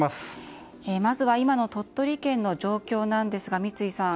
まずは今の鳥取県の状況ですが三井さん